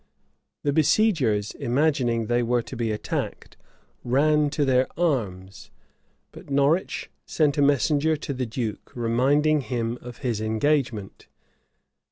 The besiegers, imagining they were to be attacked, ran to their arms; but Norwich sent a messenger to the duke, reminding him of his engagement.